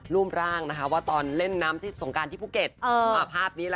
รูปรางว่าตอนเล่นน้ำที่สงการภาพพรอบนี้